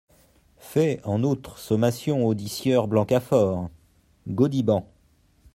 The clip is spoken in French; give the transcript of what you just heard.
Fais, en outre, sommation audit sieur Blancafort…" Gaudiband.